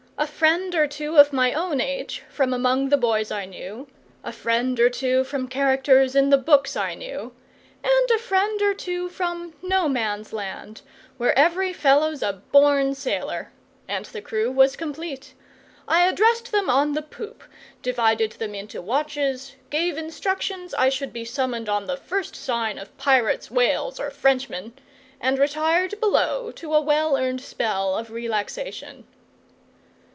A friend or two of my own age, from among the boys I knew; a friend or two from characters in the books I knew; and a friend or two from No man's land, where every fellow's a born sailor; and the crew was complete. I addressed them on the poop, divided them into watches, gave instructions I should be summoned on the first sign of pirates, whales, or Frenchmen, and retired below to a well earned spell of relaxation.